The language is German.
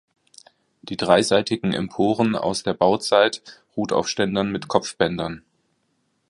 Die dreiseitigen Emporen aus der Bauzeit ruht auf Ständern mit Kopfbändern.